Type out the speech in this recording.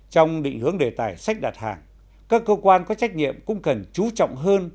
trong định hướng đề tài sách đặt hàng các cơ quan có trách nhiệm cũng cần chú trọng hơn